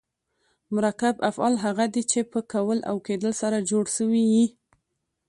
مرکب افعال هغه دي، چي په کول او کېدل سره جوړ سوي یي.